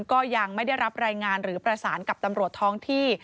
ก็ยังไม่ได้รับรายงานหรือประสานกับตำรวจท้องที่